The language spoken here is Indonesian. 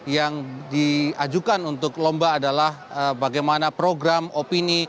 yang diajukan untuk lomba adalah bagaimana program opini